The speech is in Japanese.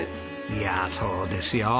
いやあそうですよ。